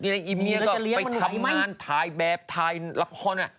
ในอีเมียก็ไปทำงานถ่ายแบบถ่ายละคร